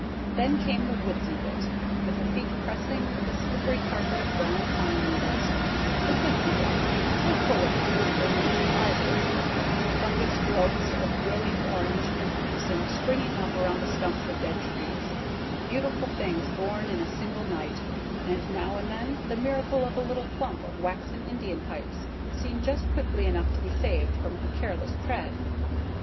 Then came the "woodsy bit," with her feet pressing the slippery carpet of brown pine needles; the "woodsy bit" so full of dewy morning, surprises, fungous growths of brilliant orange and crimson springing up around the stumps of dead trees, beautiful things born in a single night; and now and then the miracle of a little clump of waxen Indian pipes, seen just quickly enough to be saved from her careless tread.